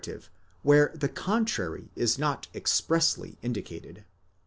439 tive where the contrary is not expressly indicated.?